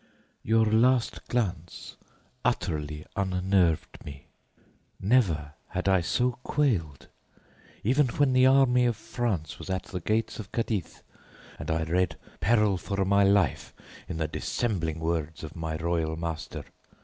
Your last glance utterly unnerved me. Never had I so quailed, even when the army of France was at the gates of Cadiz and I read peril for my life in the dissembling words of my royal master.